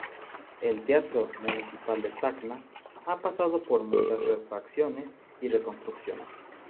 El Teatro Municipal de Tacna ha pasado por muchas refacciones y reconstrucciones.